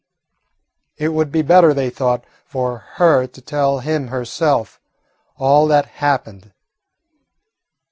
It would be better, they thought, for her to tell him herself all that happened.